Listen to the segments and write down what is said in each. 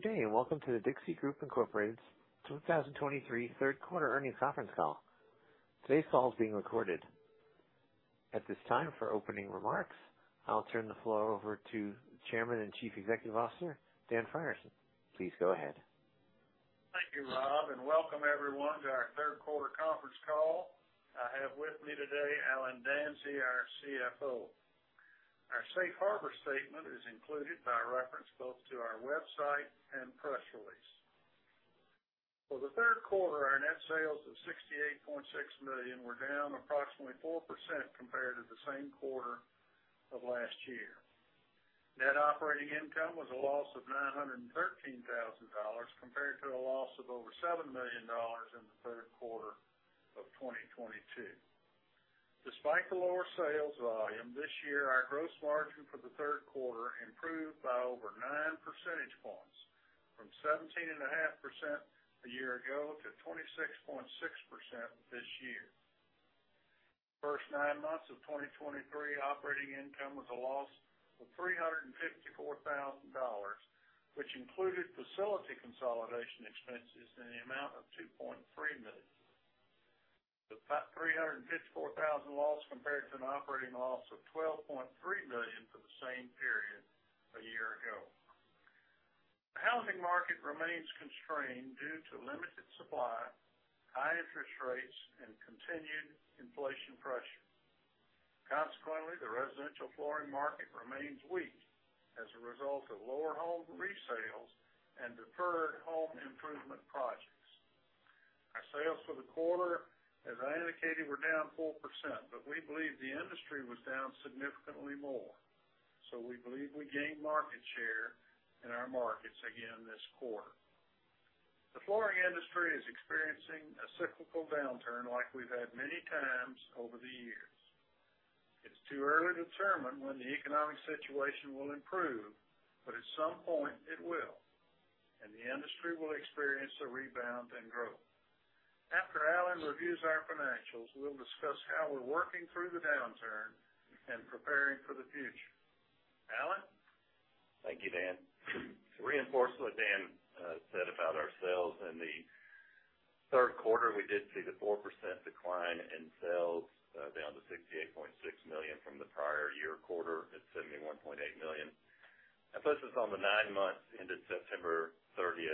Good day, and welcome to The Dixie Group Incorporated's 2023 third quarter earnings conference call. Today's call is being recorded. At this time, for opening remarks, I'll turn the floor over to Chairman and Chief Executive Officer, Dan Frierson. Please go ahead. Thank you, Rob, and welcome everyone to our third quarter conference call. I have with me today Allen Danzey, our CFO. Our safe harbor statement is included by reference both to our website and press release. For the third quarter, our net sales of $68.6 million were down approximately 4% compared to the same quarter of last year. Net operating income was a loss of $913,000, compared to a loss of over $7 million in the third quarter of 2022. Despite the lower sales volume this year, our gross margin for the third quarter improved by over 9 percentage points, from 17.5% a year ago to 26.6% this year. First 9 months of 2023, operating income was a loss of $354,000, which included facility consolidation expenses in the amount of $2.3 million. The $354,000 loss compared to an operating loss of $12.3 million for the same period a year ago. The housing market remains constrained due to limited supply, high interest rates, and continued inflation pressure. Consequently, the residential flooring market remains weak as a result of lower home resales and deferred home improvement projects. Our sales for the quarter, as I indicated, were down 4%, but we believe the industry was down significantly more, so we believe we gained market share in our markets again this quarter. The flooring industry is experiencing a cyclical downturn like we've had many times over the years. It's too early to determine when the economic situation will improve, but at some point it will, and the industry will experience a rebound and growth. After Allen reviews our financials, we'll discuss how we're working through the downturn and preparing for the future. Allen? Thank you, Dan. To reinforce what Dan said about our sales in the third quarter, we did see the 4% decline in sales, down to $68.6 million from the prior year quarter at $71.8 million. I focus on the nine months ended September 30,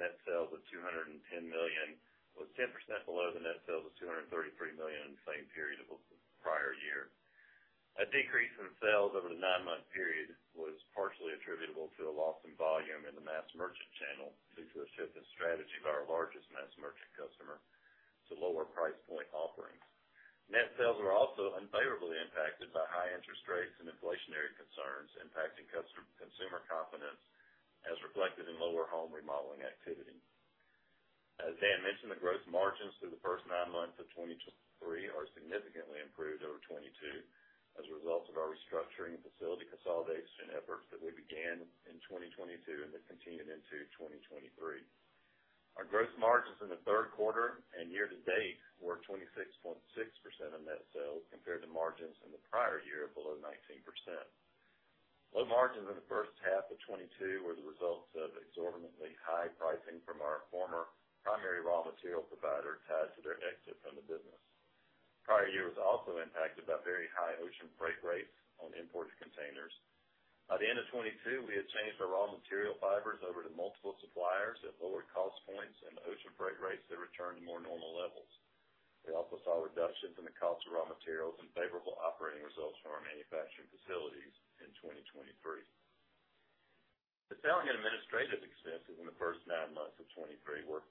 net sales of $210 million, was 10% below the net sales of $233 million in the same period of the prior year. A decrease in sales over the nine-month period was partially attributable to a loss in volume in the mass merchant channel due to a shift in strategy by our largest mass merchant customer to lower price point offerings. Net sales were also unfavorably impacted by high interest rates and inflationary concerns, impacting consumer confidence, as reflected in lower home remodeling activity. As Dan mentioned, the gross margins through the first nine months of 2023 are significantly improved over 2022 as a result of our restructuring and facility consolidation efforts that we began in 2022 and that continued into 2023. Our gross margins in the third quarter and year to date were 26.6% of net sales, compared to margins in the prior year below 19%. Low margins in the first half of 2022 were the results of exorbitantly high pricing from our former primary raw material provider tied to their exit from the business. Prior year was also impacted by very high ocean freight rates on imported containers. By the end of 2022, we had changed our raw material fibers over to multiple suppliers at lower cost points and the ocean freight rates had returned to more normal levels. We also saw reductions in the cost of raw materials and favorable operating results from our manufacturing facilities in 2023. The selling and administrative expenses in the first nine months of 2023 were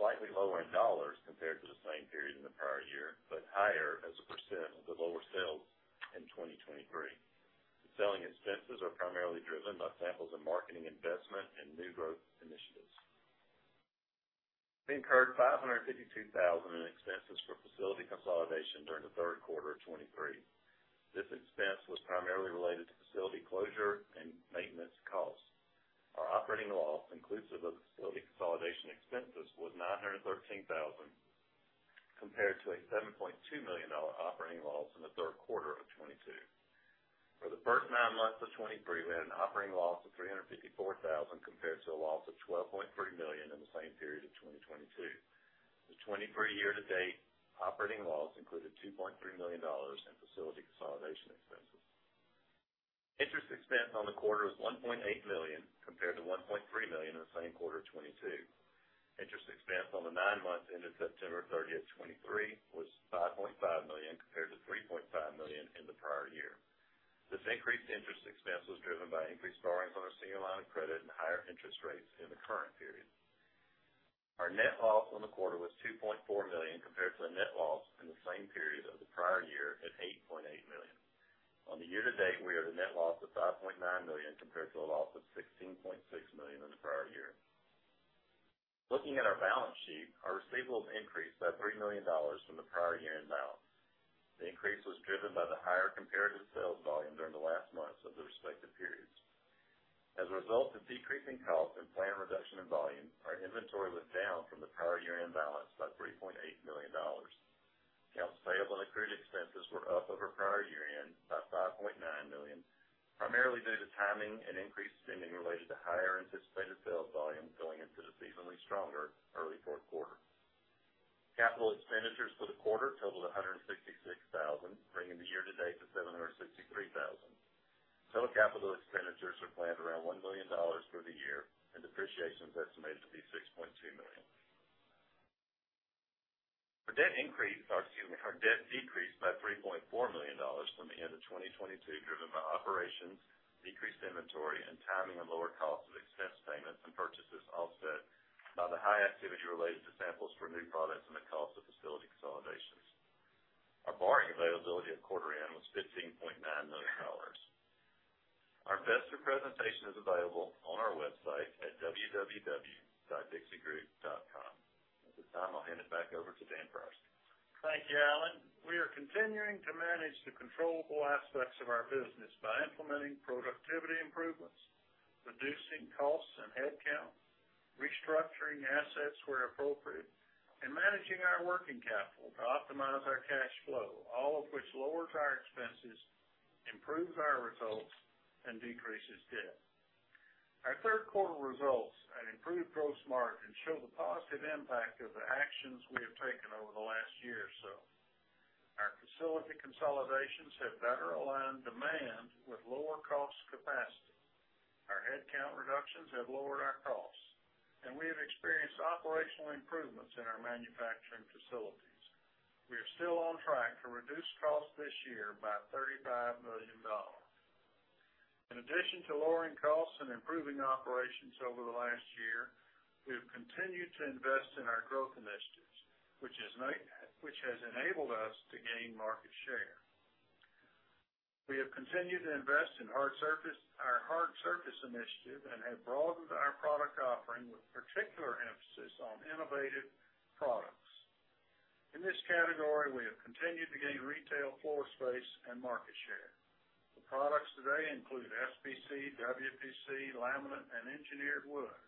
slightly lower in dollars compared to the same period in the prior year, but higher as a percent of the lower sales in 2023. The selling expenses are primarily driven by samples of marketing investment and new growth initiatives. We incurred $552,000 in expenses for facility consolidation during the third quarter of 2023. This expense was primarily related to facility closure and maintenance costs. Our operating loss, inclusive of the facility consolidation expenses, was $913,000, compared to a $7.2 million operating loss in the third quarter of 2022. For the first nine months of 2023, we had an operating loss of $354,000, compared to a loss of $12.3 million in the same period of 2022. The 2023 year-to-date operating loss included $2.3 million in facility consolidation expenses. Interest expense on the quarter was $1.8 million, compared to $1.3 million in the same quarter of 2022. Interest expense on the nine months ended September 30, 2023, was $5.5 million, compared to $3.5 million in the prior year. This increased interest expense was driven by increased borrowings on our senior line of credit and higher interest rates in the current period. Our net loss on the quarter was $2.4 million, compared to the net loss in the same period of the prior year at $8.8 million. On the year to date, we have a net loss of $5.9 million, compared to a loss of $16.6 million in the prior year. Looking at our balance sheet, our receivables increased by $3 million from the prior year-end balance. The increase was driven by the higher comparative sales volume during the last months of the respective periods. As a result of decreasing costs and planned reduction in volume, our inventory was down from the prior year-end balance by $3.8 million. Accounts payable and accrued expenses were up over prior year-end by $5.9 million, primarily due to timing and increased spending related to higher anticipated sales volume going into the seasonally stronger early fourth quarter. Capital expenditures for the quarter totaled $166,000, bringing the year-to-date to $763,000. Total capital expenditures are planned around $1 million for the year, and depreciation is estimated to be $6.2 million. Our debt increase, or excuse me, our debt decreased by $3.4 million from the end of 2022, driven by operations, decreased inventory, and timing of lower cost of expense payments and purchases offset by the high activity related to samples for new products and the cost of facility consolidations. Our borrowing availability at quarter end was $15.9 million. Our investor presentation is available on our website at www.dixiegroup.com. At this time, I'll hand it back over to Dan Frierson. Thank you, Allen. We are continuing to manage the controllable aspects of our business by implementing productivity improvements, reducing costs and headcount, restructuring assets where appropriate, and managing our working capital to optimize our cash flow, all of which lowers our expenses, improves our results, and decreases debt. Our third quarter results at improved gross margin show the positive impact of the actions we have taken over the last year or so. Our facility consolidations have better aligned demand with lower cost capacity. Our headcount reductions have lowered our costs, and we have experienced operational improvements in our manufacturing facilities. We are still on track to reduce costs this year by $35 million. In addition to lowering costs and improving operations over the last year, we have continued to invest in our growth initiatives, which has enabled us to gain market share. We have continued to invest in hard surface, our hard surface initiative, and have broadened our product offering with particular emphasis on innovative products. In this category, we have continued to gain retail floor space and market share. The products today include SPC, WPC, laminate, and engineered wood,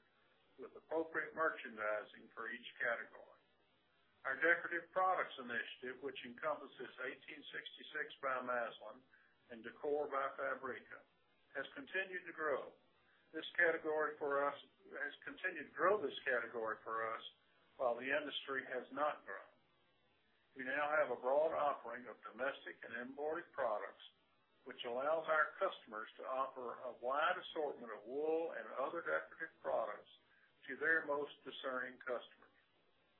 with appropriate merchandising for each category. Our decorative products initiative, which encompasses 1866 by Masland and Décor by Fabrica, has continued to grow. This category for us... has continued to grow this category for us, while the industry has not grown. We now have a broad offering of domestic and imported products, which allows our customers to offer a wide assortment of wool and other decorative products to their most discerning customers.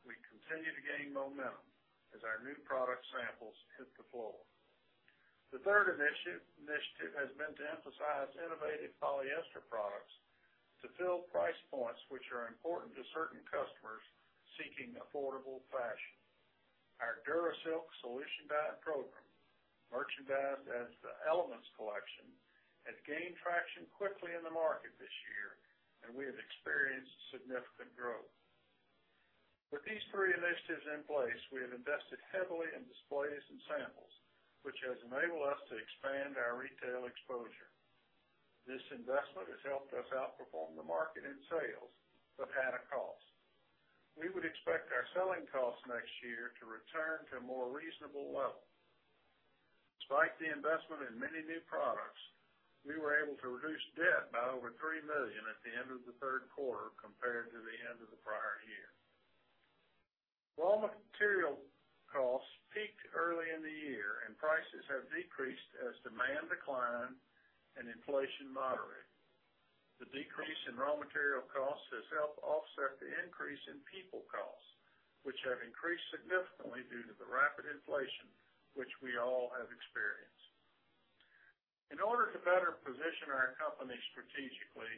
We continue to gain momentum as our new product samples hit the floor. The third initiative has been to emphasize innovative polyester products to fill price points which are important to certain customers seeking affordable fashion. Our DuraSilk solution dye program, merchandised as the Elements Collection, has gained traction quickly in the market this year, and we have experienced significant growth. With these three initiatives in place, we have invested heavily in displays and samples, which has enabled us to expand our retail exposure. This investment has helped us outperform the market in sales, but at a cost. We would expect our selling costs next year to return to a more reasonable level. Despite the investment in many new products, we were able to reduce debt by over $3 million at the end of the third quarter compared to the end of the prior year. Raw material costs peaked early in the year, and prices have decreased as demand declined and inflation moderated. The decrease in raw material costs has helped offset the increase in people costs, which have increased significantly due to the rapid inflation, which we all have experienced. In order to better position our company strategically,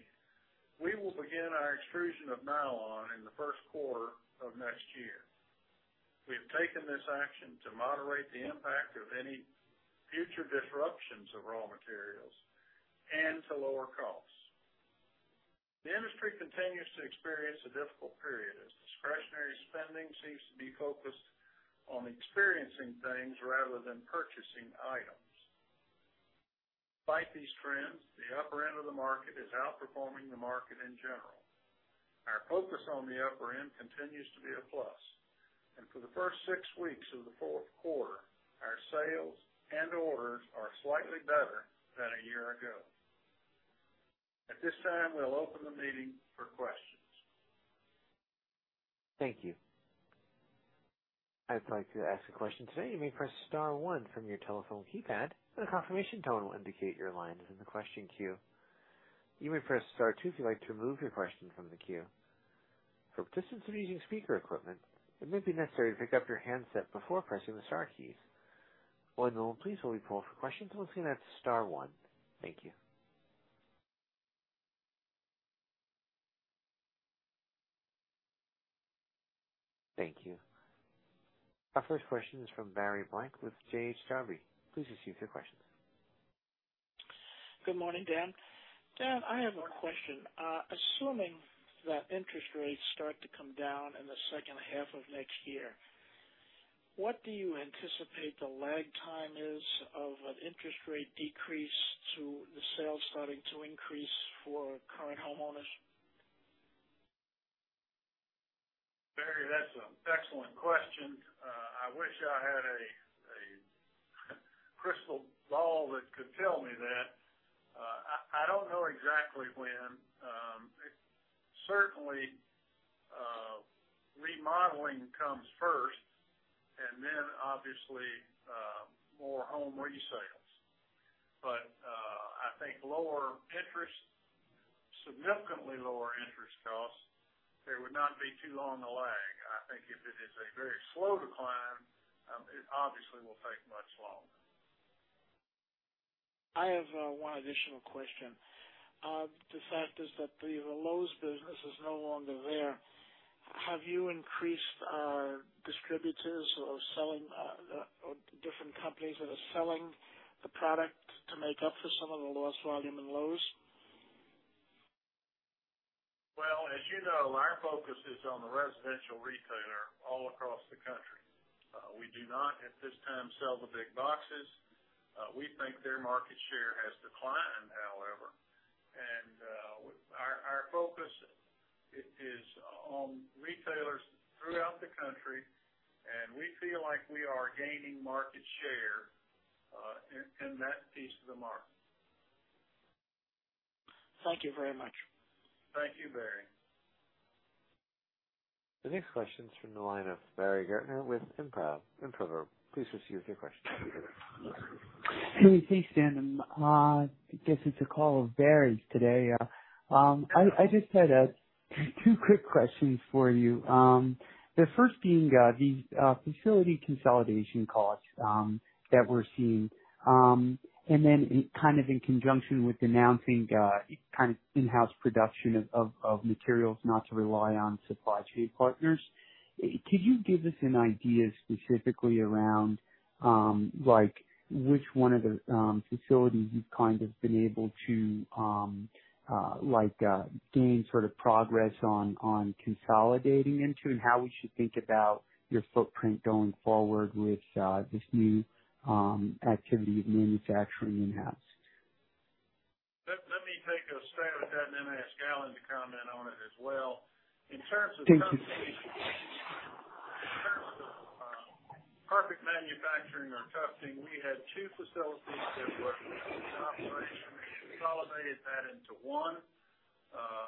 we will begin our extrusion of nylon in the first quarter of next year. We have taken this action to moderate the impact of any future disruptions of raw materials and to lower costs. The industry continues to experience a difficult period, as discretionary spending seems to be focused on experiencing things rather than purchasing items. Despite these trends, the upper end of the market is outperforming the market in general. Our focus on the upper end continues to be a plus, and for the first six weeks of the fourth quarter, our sales and orders are slightly better than a year ago. At this time, we'll open the meeting for questions. Thank you. If I'd like to ask a question today, you may press star one from your telephone keypad, and a confirmation tone will indicate your line is in the question queue. You may press star two if you'd like to remove your question from the queue. For participants using speaker equipment, it may be necessary to pick up your handset before pressing the star keys. Once again, please hold, we'll pull for questions, once again, that's star one. Thank you. Thank you. Our first question is from Barry Blank with J.H. Darbie. Please proceed with your question. Good morning, Dan. Dan, I have a question. Assuming that interest rates start to come down in the second half of next year, what do you anticipate the lag time is of an interest rate decrease to the sales starting to increase for current homeowners? ... Barry, that's an excellent question. I wish I had a crystal ball that could tell me that. I don't know exactly when. Certainly, remodeling comes first, and then, obviously, more home resales. But, I think lower interest, significantly lower interest costs, there would not be too long a lag. I think if it is a very slow decline, it obviously will take much longer. I have one additional question. The fact is that the Lowe's business is no longer there. Have you increased distributors or selling or different companies that are selling the product to make up for some of the lost volume in Lowe's? Well, as you know, our focus is on the residential retailer all across the country. We do not, at this time, sell to big boxes. We think their market share has declined, however. Our focus is on retailers throughout the country, and we feel like we are gaining market share in that piece of the market. Thank you very much. Thank you, Barry. The next question is from the line of Barry Gertner with Improverb. Please proceed with your question. Hey, thanks, Dan. I guess it's a call of Barry's today. I just had two quick questions for you. The first being the facility consolidation costs that we're seeing. And then kind of in conjunction with announcing kind of in-house production of materials, not to rely on supply chain partners. Could you give us an idea specifically around like which one of the facilities you've kind of been able to like gain sort of progress on consolidating into? And how we should think about your footprint going forward with this new activity of manufacturing in-house? Let me take a stab at that, and then ask Allen to comment on it as well. Thank you. In terms of tufting, in terms of carpet manufacturing or tufting, we had two facilities that were in operation. We consolidated that into one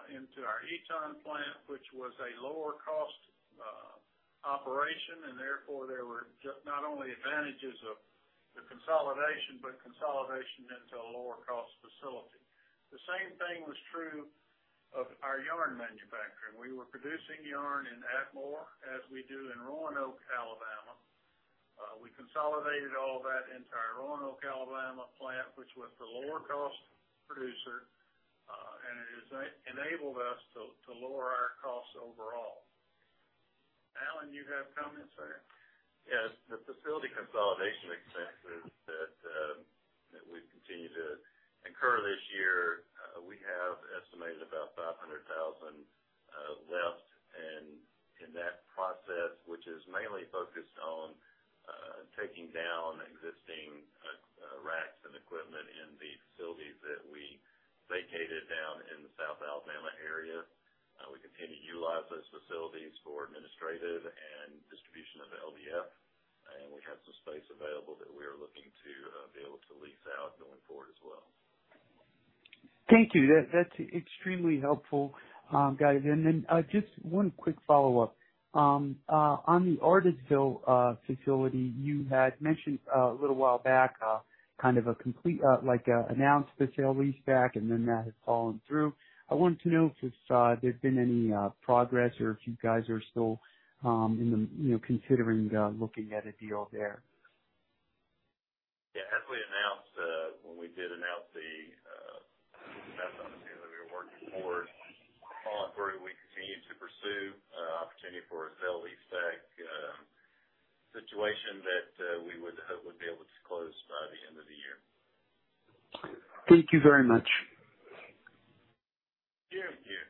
into our Eton plant, which was a lower cost operation, and therefore there were not only advantages of the consolidation, but consolidation into a lower cost facility. The same thing was true of our yarn manufacturing. We were producing yarn in Atmore, as we do in Roanoke, Alabama. We consolidated all that into our Roanoke, Alabama, plant, which was the lower cost producer, and it has enabled us to lower our costs overall. Allen, you have comments there? Yes, the facility consolidation expenses that that we've continued to incur this year, we have estimated about $500,000 left. And in that process, which is mainly focused on taking down existing racks and equipment in the facilities that we vacated down in the South Alabama area. We continue to utilize those facilities for administrative and distribution of LVF, and we have some space available that we are looking to be able to lease out going forward as well. Thank you. That's extremely helpful, guys. And then, just one quick follow-up on the Adairsville facility. You had mentioned a little while back kind of a complete, like, announcement of the sale-leaseback, and then that has fallen through. I wanted to know if there's been any progress or if you guys are still, you know, considering looking at a deal there? Yeah, as we announced, when we did announce the investment opportunity that we were working towards, following through, we continued to pursue an opportunity for a sale-leaseback situation that we would hope would be able to close by the end of the year. Thank you very much. Thank you.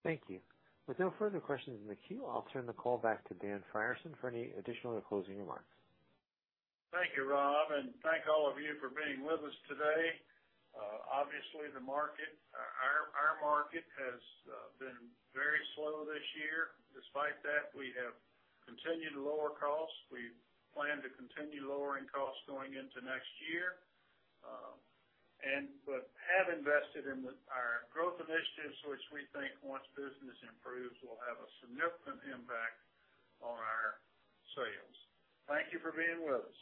Thank you. With no further questions in the queue, I'll turn the call back to Dan Frierson for any additional or closing remarks. Thank you, Rob, and thank all of you for being with us today. Obviously, the market, our market has been very slow this year. Despite that, we have continued to lower costs. We plan to continue lowering costs going into next year. But we have invested in our growth initiatives, which we think, once business improves, will have a significant impact on our sales. Thank you for being with us.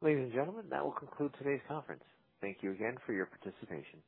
Ladies and gentlemen, that will conclude today's conference. Thank you again for your participation.